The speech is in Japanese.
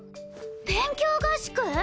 勉強合宿！？